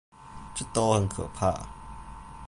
就都很可怕